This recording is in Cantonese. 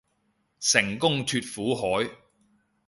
成功脫苦海